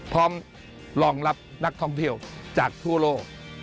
พร้อมรองรับนักท่องเที่ยวจากทั่วโลก